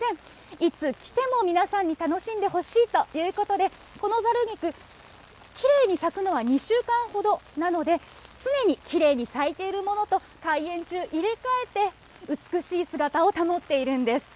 いつ来ても皆さんに楽しんでほしいということで、このざる菊、きれいに咲くのは２週間ほどなので、常にきれいに咲いているものと開園中、入れ替えて、美しい姿を保っているんです。